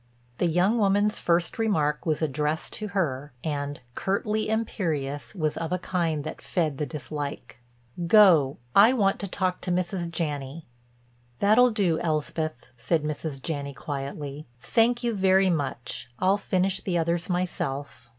The young woman's first remark was addressed to her, and, curtly imperious, was of a kind that fed the dislike: "Go. I want to talk to Mrs. Janney." "That'll do, Elspeth," said Mrs. Janney quietly. "Thank you very much. I'll finish the others myself."